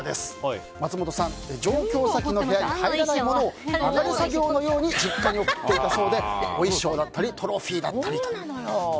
松本さん、上京先の部屋に入らないものを流れ作業のように実家に送っていたそうでお衣装だったりトロフィーだったりと。